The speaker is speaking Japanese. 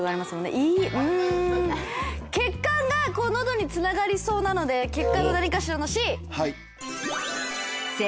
胃うん血管がのどにつながりそうなので血管の何かしらのＣ。